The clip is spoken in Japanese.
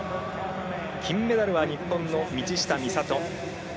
金メダルは日本の道下美里。